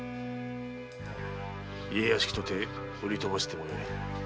家屋敷とて売り飛ばしてもよい。